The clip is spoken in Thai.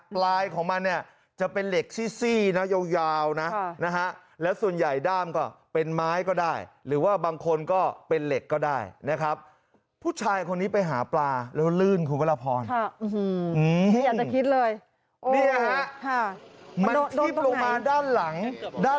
ปลายของมันเนี่ยจะเป็นเหล็กซี่นะเยาวนะ